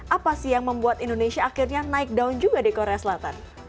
apa sih yang membuat indonesia akhirnya naik down juga di korea selatan